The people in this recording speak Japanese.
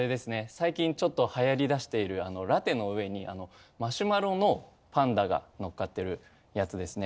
最近ちょっと流行りだしているラテの上にマシュマロのパンダが乗っかってるやつですね。